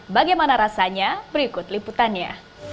bagaimana rasanya berikut liputannya